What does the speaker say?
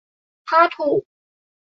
ถ้าถูก